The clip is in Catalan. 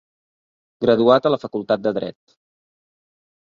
Graduat a la facultat de dret.